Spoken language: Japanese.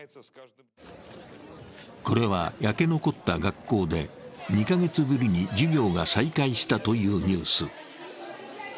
これは焼け残った学校で２カ月ぶりに授業が再開したというニュース。